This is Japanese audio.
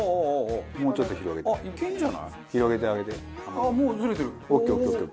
もうちょっと広げて広げてあげて卵。